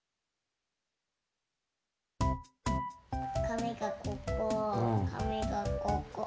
かみがここ。